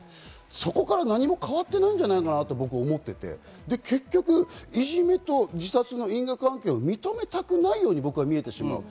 そこから何も変わっていないんじゃないかなと僕は思ってて、結局いじめと自殺の因果関係を認めたくないように僕は見えてしまう。